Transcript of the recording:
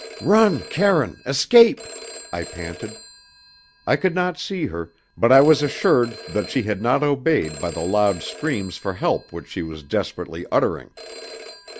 "Run, Karine escape!" I panted. I could not see her, but I was assured that she had not obeyed by the loud screams for help which she was desperately uttering.